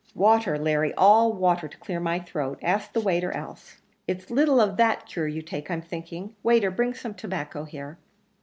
"Water, Larry, all water to clear my throat ask the waiter else." "It's little of that cure you take, I'm thinking waiter, bring some tobacco here."